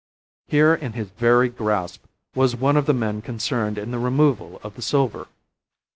Here in his very grasp was one of the men concerned in the removal of the silver.